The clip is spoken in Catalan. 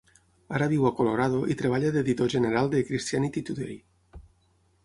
Ara viu a Colorado i treballa d'editor general de "Christianity Today".